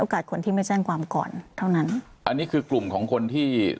คนที่ไม่แจ้งความก่อนเท่านั้นอันนี้คือกลุ่มของคนที่